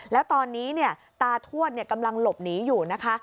แล้วตอนนี้ตาทวดกำลังหลบหนีอยู่นะคะ